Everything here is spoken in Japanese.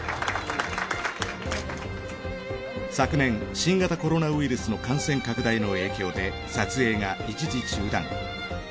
昨年新型コロナウイルスの感染拡大の影響で撮影が一時中断。